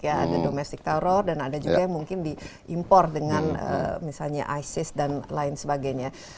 ada domestic teror dan ada juga yang mungkin diimpor dengan misalnya isis dan lain sebagainya